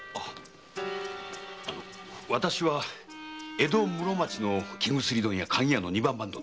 江戸・室町の生薬問屋鍵屋の二番番頭です。